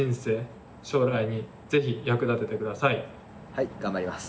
はい頑張ります。